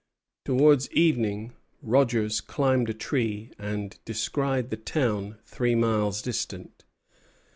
Towards evening, Rogers climbed a tree, and descried the town three miles distant.